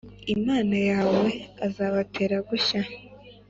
Imana yawe azabatera gushya